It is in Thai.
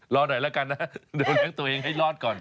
รอหน่อยแล้วกันนะเดี๋ยวเลี้ยงตัวเองให้รอดก่อน